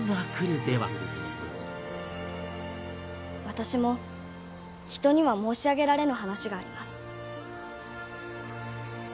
私も人には申し上げられぬ話があります。